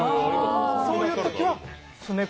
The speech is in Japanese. そういうときは、すね